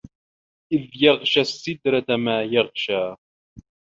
إِذ يَغشَى السِّدرَةَ ما يَغشى